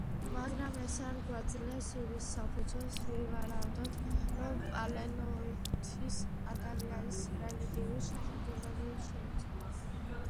მაგრამ ეს არ გვაძლევს იმის საფუძველს ვივარაუდოთ, რომ პალეოლითის ადამიანის რელიგიური შეხედულებები შეიცვალა.